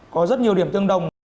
có rất nhiều điểm tương đồng